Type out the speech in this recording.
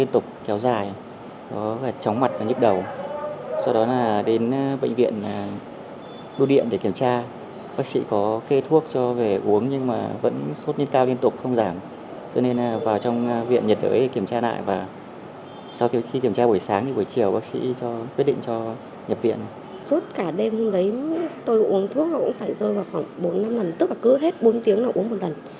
tôi uống thuốc là cũng phải rơi vào khoảng bốn năm lần tức là cứ hết bốn tiếng là uống một lần